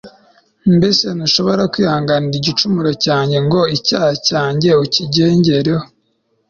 mbese, ntushobora kwihanganira igicumuro cyanjye, ngo icyaha cyanjye ucyirengeho